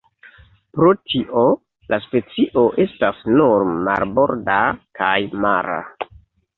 Pro tio la specio estas nur marborda kaj mara.